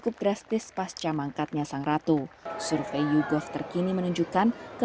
untuk memiliki foto yang diambil oleh